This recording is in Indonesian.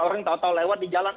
orang tau tau lewat di jalan